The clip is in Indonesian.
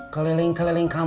keliling keliling dulu ya pak